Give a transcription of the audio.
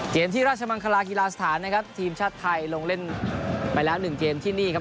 ที่ราชมังคลากีฬาสถานนะครับทีมชาติไทยลงเล่นไปแล้วหนึ่งเกมที่นี่ครับ